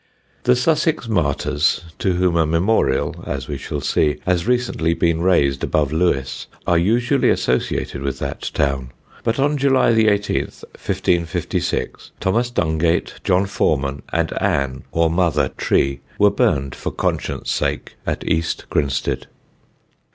The Sussex Martyrs, to whom a memorial, as we shall see, has recently been raised above Lewes, are usually associated with that town; but on July 18, 1556, Thomas Dungate, John Forman, and Anne, or Mother, Tree, were burned for conscience' sake at East Grinstead.